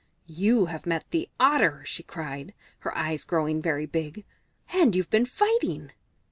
"You have met the Otter," she cried, her eyes growing very big, "and you've been fighting."